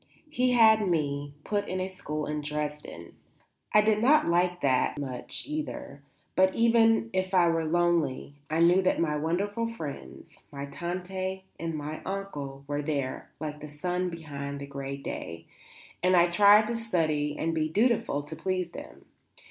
He had me put at a school in Dresden. I did not like that much, either. But, even if I were lonely, I knew that my wonderful friends my Tante and my Onkel were there, like the sun behind the grey day, and I tried to study and be dutiful to please them.